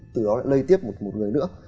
từ đó lại lây tiếp một người nữa